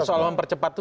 ya soal mempercepat itu